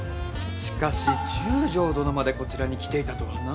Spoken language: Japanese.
しかし中将殿までこちらに来ていたとはな。